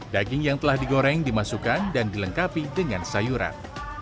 daging yang telah digoreng dimasukkan dan dilengkapi dengan sayuran